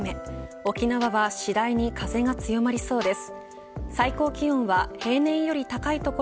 沖縄は次第に風が強まりそうです。